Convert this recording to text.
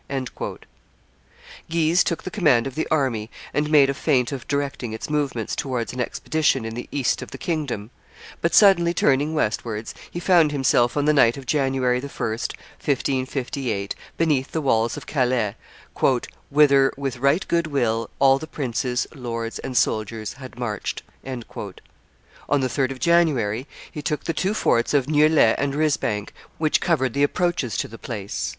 Guise took the command of the army, and made a feint of directing its movements towards an expedition in the east of the kingdom; but, suddenly turning westwards, he found himself on the night of January 1, 1558, beneath the walls of Calais, "whither, with right good will, all the princes, lords, and soldiers had marched." On the 3d of January he took the two forts of Nieullay and Risbank, which covered the approaches to the place.